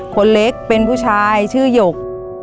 คนเล็กเป็นผู้ชายชื่อหยก